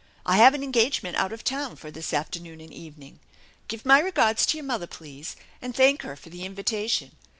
I have an engagement out of town for this afternoon and evening. Give my regards to your mother, please, and thank her for the invitation.